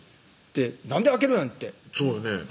「なんで開けるん」ってそうよね